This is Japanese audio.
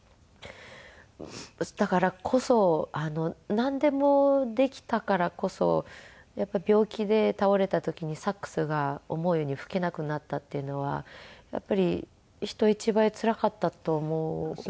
だからこそなんでもできたからこそやっぱり病気で倒れた時にサックスが思うように吹けなくなったっていうのはやっぱり人一倍つらかったと思うんですね。